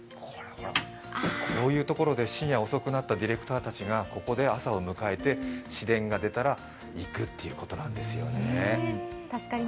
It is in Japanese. こういう所で深夜遅くなったディレクターたちがここで朝を迎えて始電が出たら行くということなんですね。